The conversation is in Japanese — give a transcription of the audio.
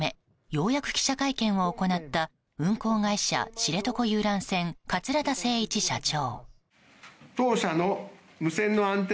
ようやく記者会見を行った運航会社、知床遊覧船桂田精一社長。